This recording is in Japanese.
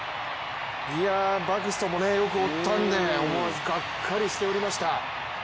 バクストンもよく追ったんですが思わずがっかりしておりました。